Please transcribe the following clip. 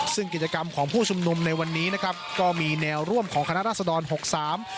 ซึ่งกิจกรรมของผู้ชุมนุมในวันนี้นะครับก็มีแนวร่วมของคณะราษดรหกสาม